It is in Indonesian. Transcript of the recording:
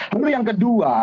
lalu yang kedua